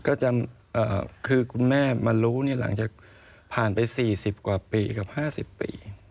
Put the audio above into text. ก็คือคุณแม่มารู้หลังจากผ่านไป๔๐กว่าปีกับ๕๐ปี